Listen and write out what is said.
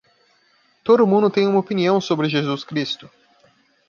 Todo mundo tem uma opinião sobre Jesus Cristo.